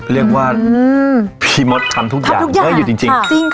เรียกว่าอืมพี่มดทำทุกอย่างทำทุกอย่างเอออยู่จริงจริงจริงค่ะ